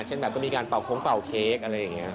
เช่นแบบก็มีการเป่าโค้งเป่าเค้กอะไรอย่างนี้